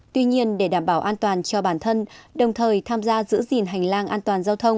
tuy nhiên để đảm bảo an toàn cho bản thân đồng thời tham gia giữ gìn hành lang an toàn giao thông